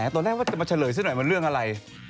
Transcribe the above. ตอนแรกมาเฉลยซักหน่อยว่าเรื่องอะไร